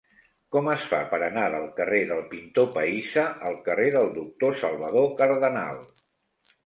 Com es fa per anar del carrer del Pintor Pahissa al carrer del Doctor Salvador Cardenal?